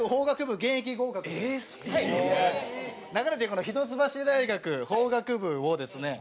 この一橋大学法学部をですね